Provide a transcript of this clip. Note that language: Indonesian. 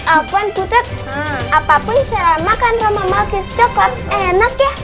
alpuan food apapun cara makan roma malkis coklat enak ya